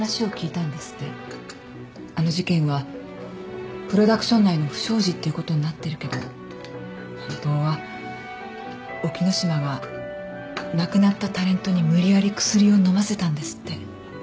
あの事件はプロダクション内の不祥事っていうことになってるけど本当は沖野島が亡くなったタレントに無理やりクスリを飲ませたんですって。